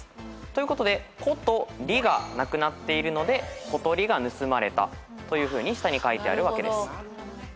ということで「こ」と「り」がなくなっているので「ことりが盗まれた」というふうに下に書いてあるわけです。